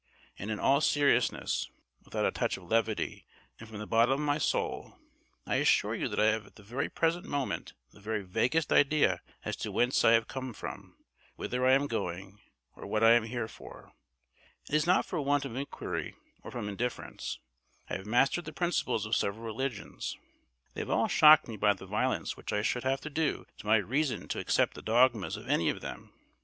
And in all seriousness, without a touch of levity, and from the bottom of my soul, I assure you that I have at the present moment the very vaguest idea as to whence I have come from, whither I am going, or what I am here for. It is not for want of inquiry, or from indifference. I have mastered the principles of several religions. They have all shocked me by the violence which I should have to do to my reason to accept the dogmas of any one of them.